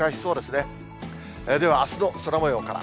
では、あすの空もようから。